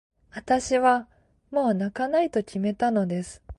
あたしは、もう泣かないと決めたのです。